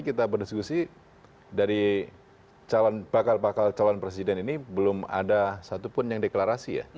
kita berdiskusi dari bakal bakal calon presiden ini belum ada satupun yang deklarasi ya